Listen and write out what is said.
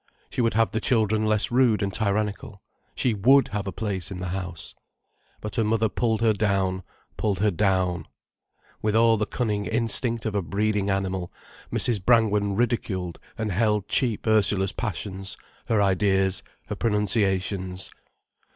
She would have the children less rude and tyrannical, she would have a place in the house. But her mother pulled her down, pulled her down. With all the cunning instinct of a breeding animal, Mrs. Brangwen ridiculed and held cheap Ursula's passions, her ideas, her pronunciations.